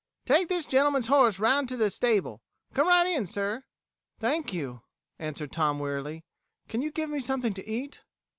"Take this gentleman's horse 'round to de stable. Come right in, sir." "Thank you," answered Tom wearily. "Can you give me something to eat?"